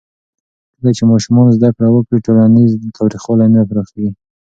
کله چې ماشومان زده کړه وکړي، ټولنیز تاوتریخوالی نه پراخېږي.